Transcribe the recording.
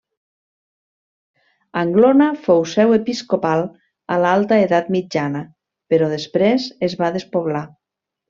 Anglona fou seu episcopal a l'alta edat mitjana però després es va despoblar.